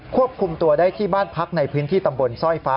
ควบคุมตัวได้ที่บ้านพักในพื้นที่ตำบลสร้อยฟ้า